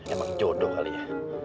emang jodoh kali ya